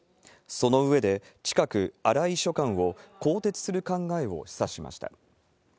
その上で、近く荒井秘書官を更迭する考えを示唆しました。